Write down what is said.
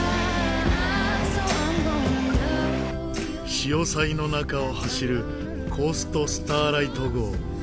潮騒の中を走るコースト・スターライト号。